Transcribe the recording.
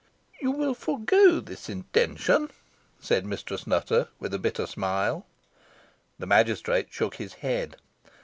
"You will forego this intention," said Mistress Nutter, with a bitter smile. The magistrate shook his head.